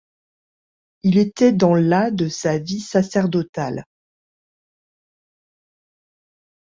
Il était dans la de sa vie sacerdotale.